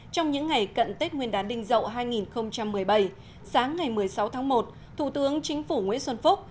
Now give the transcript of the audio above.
trong những ngày cận tết nguyên đán đinh dậu hai nghìn một mươi bảy sáng ngày một mươi sáu tháng một thủ tướng chính phủ nguyễn xuân phúc